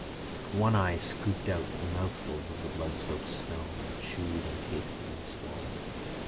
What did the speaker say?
One Eye scooped out mouthfuls of the blood soaked snow, and chewed and tasted and swallowed.